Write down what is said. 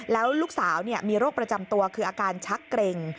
แล้วลูกสาวมีโรคประจำตัวคืออาการชักเกร็ง